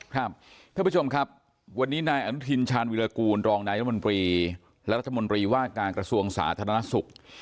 ท่านผู้ชมครับวันนี้นายอนุทินชาญวิรากูลรองนายรัฐมนตรีและรัฐมนตรีว่าการกระทรวงสาธารณสุข